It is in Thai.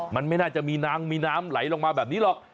มันไม่น่าจะมีนางมีน้ำไหลลงมาแบบนี้หรอก